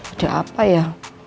udah apa ya